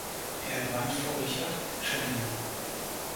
Er gewann vor Richard Chelimo.